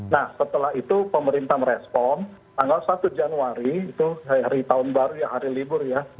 nah setelah itu pemerintah merespon tanggal satu januari itu hari tahun baru ya hari libur ya